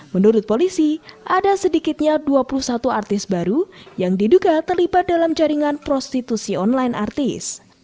menurut polisi ada sedikitnya dua puluh satu artis baru yang diduga terlibat dalam jaringan prostitusi online artis